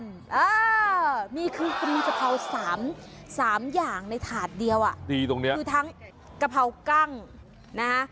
นี่คือมีกะเพรา๓อย่างในถาดเดียวอ่ะดีตรงนี้คือทั้งกะเพรากล้างนะฮะ